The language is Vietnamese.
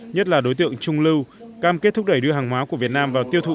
nhất là đối tượng trung lưu cam kết thúc đẩy đưa hàng hóa của việt nam vào tiêu thụ